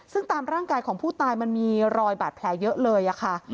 ซึ่งตามร่างกายของผู้ตายมันมีรอยบาดแผลเยอะเลยค่ะ